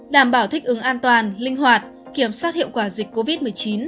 đảm bảo thích ứng an toàn linh hoạt kiểm soát hiệu quả dịch covid một mươi chín